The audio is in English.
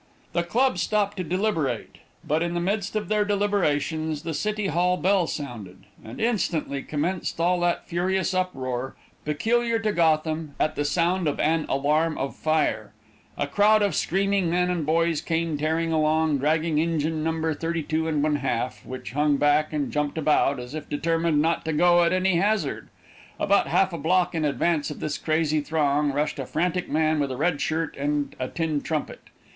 The club stopped to deliberate, but in the midst of their deliberations the City Hall bell sounded, and instantly commenced all that furious uproar peculiar to Gotham at the sound of an alarm of fire. A crowd of screaming men and boys came tearing along, dragging Engine No. 32 1/2, which hung back and jumped about, as if determined not to go at any hazard. About half a block in advance of this crazy throng rushed a frantic man, with a red shirt and a tin trumpet.